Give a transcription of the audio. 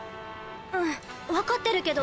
うん分かってるけど。